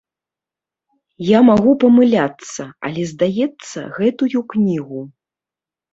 Я магу памыляцца, але, здаецца, гэтую кнігу.